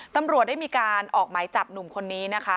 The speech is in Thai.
ตำรวจได้มีการออกหมายจับหนุ่มคนนี้นะคะ